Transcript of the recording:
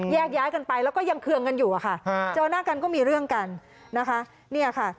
แยกย้ายกันไปแล้วก็ยังเคืองกันอยู่อะค่ะเจอหน้ากันก็มีเรื่องกันนะคะเนี่ยค่ะ